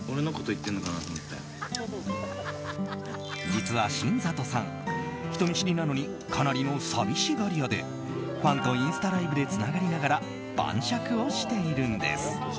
実は新里さん、人見知りなのにかなりの寂しがり屋でファンとインスタライブでつながりながら晩酌をしているんです。